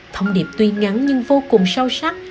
thông điệp tuy ngắn nhưng vô cùng sâu sắc